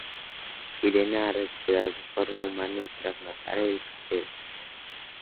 Irena ha recuperado su forma humana tras matar al casero.